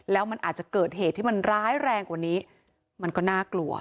แล้วมันอาจจะเกิดเหตุที่มันร้ายแรงกว่านี้มันก็น่ากลัว